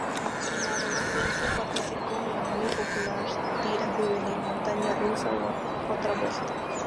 En la adolescencia, participó en la muy popular tira juvenil "Montaña rusa, otra vuelta".